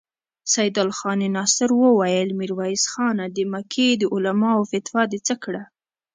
سيدال خان ناصري وويل: ميرويس خانه! د مکې د علماوو فتوا دې څه کړه؟